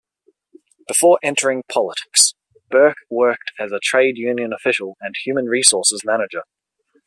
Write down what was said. Before entering politics, Burke worked as a trade union official and human resources manager.